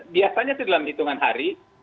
biasanya dalam hitungan hari